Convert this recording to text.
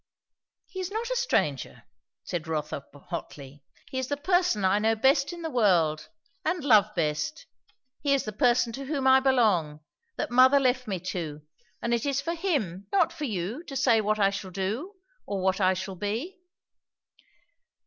"He is not a stranger," said Rotha hotly. "He is the person I know best in the world, and love best. He is the person to whom I belong; that mother left me to; and it is for him, not for you, to say what I shall do, or what I shall be."